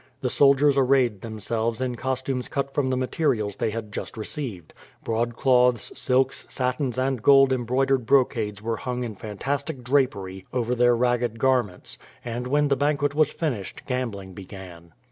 The soldiers arrayed themselves in costumes cut from the materials they had just received. Broadcloths, silks, satins, and gold embroidered brocades were hung in fantastic drapery over their ragged garments, and when the banquet was finished gambling began.